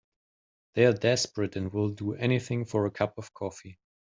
They're desperate and will do anything for a cup of coffee.